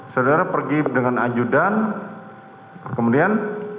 saudara pergi dengan ajudan kemudian